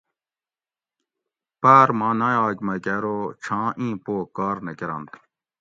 پاۤر ماں نایاک مکہ ارو چھان ایں پو کار نہ کرنت